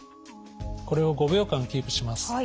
これを５秒間キープします。